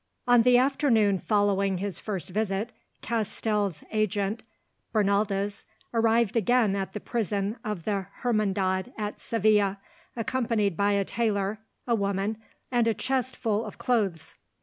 On the afternoon following his first visit, Castell's agent, Bernaldez, arrived again at the prison of the Hermandad at Seville accompanied by a tailor, a woman, and a chest full of clothes.